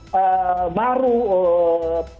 menawarkan satu konsep baru